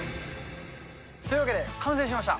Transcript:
というわけで、完成しました！